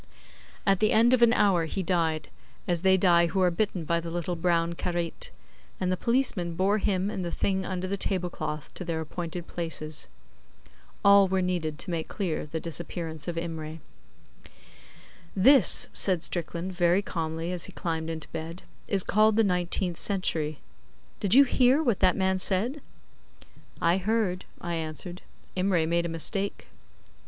At the end of an hour he died, as they die who are bitten by the little brown karait, and the policemen bore him and the thing under the tablecloth to their appointed places. All were needed to make clear the disappearance of Imray. 'This,' said Strickland, very calmly, as he climbed into bed, 'is called the nineteenth century. Did you hear what that man said?' 'I heard,' I answered. 'Imray made a mistake.